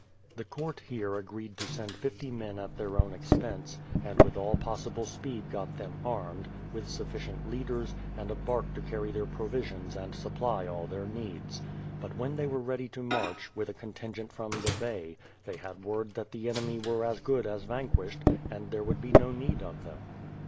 The court here agreed to send fifty men at their own expense, and with all possible speed got them armed, with sufficient leaders, and a bark to carry their provisions and supply all their needs. But when they were ready to march, with a contingent from the Bay, they had word that the enemy were as good as vanquished, and there would be no need of them.